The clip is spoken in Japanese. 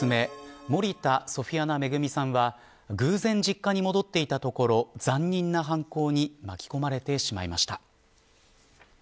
森田ソフィアナ恵さんは偶然、実家に戻っていたところ残忍な犯行に巻き込まれてしまいました。